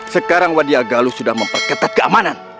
sekarang wadi agalu sudah memperketat keamanan